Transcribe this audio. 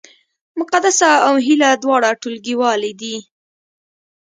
مقدسه او هیله دواړه ټولګیوالې دي